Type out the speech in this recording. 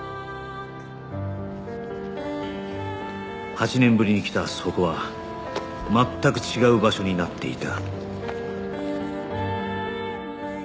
８年ぶりに来たそこは全く違う場所になっていた